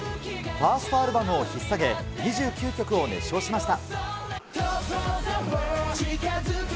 ファーストアルバムをひっ提げ、２９曲を熱唱しました。